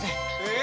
え？